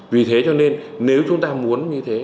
vì thế cho nên nếu chúng ta muốn như thế